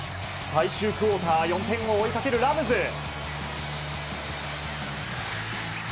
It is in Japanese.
最終クオーター４点を追いかけるラムズ。